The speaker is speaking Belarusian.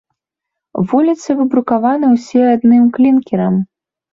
Вуліцы выбрукаваны ўсе адным клінкерам.